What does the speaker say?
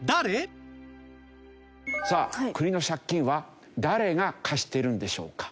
さあ国の借金は誰が貸しているんでしょうか？